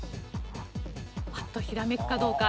パッとひらめくかどうか。